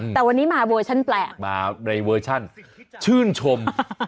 แต่วันนี้มาเวอร์ชั่นแปลกมาในเวอร์ชั่นชื่นชม